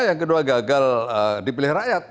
yang kedua gagal dipilih rakyat